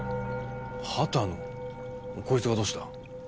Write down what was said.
こいつがどうした？